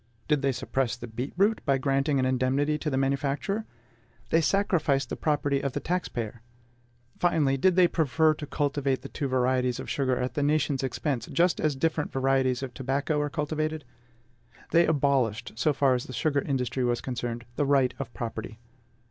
Did they suppress the beet root by granting an indemnity to the manufacturer? They sacrificed the property of the tax payer. Finally, did they prefer to cultivate the two varieties of sugar at the nation's expense, just as different varieties of tobacco are cultivated? They abolished, so far as the sugar industry was concerned, the right of property.